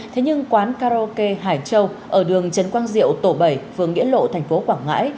thế nhưng quán karaoke hải châu ở đường trần quang diệu tổ bảy phường nghĩa lộ thành phố quảng ngãi